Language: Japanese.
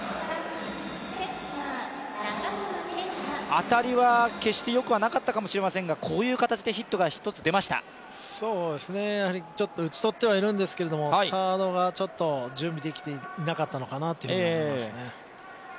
当たりは決してよくはなかったかもしれませんがこういう形でヒットが１つ出ました打ち取ってはいるんですけれども、サードがちょっと準備できていなかったのかなと思いますね。